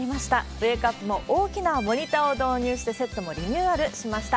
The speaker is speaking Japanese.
ウェークアップも大きなモニターを導入してセットもリニューアルしました。